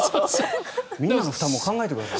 みんなの負担も考えてください。